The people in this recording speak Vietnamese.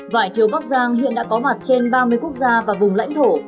vải thiều bắc giang hiện đã có mặt trên ba mươi quốc gia và vùng lãnh thổ